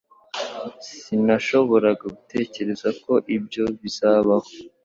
Sinashoboraga gutekereza ko ibyo bizabaho.